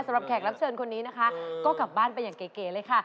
แขกรับเชิญคนนี้นะคะก็กลับบ้านไปอย่างเก๋เลยค่ะ